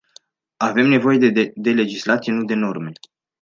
Avem nevoie de legislație, nu de norme.